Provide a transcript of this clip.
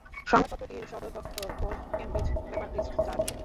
সংবাদপত্রটির সদর দফতর Old Cambridge Baptist চার্চে।